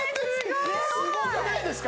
すごくないですか？